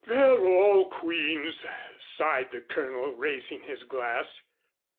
"They're all queens," sighed the Colonel, raising his glass.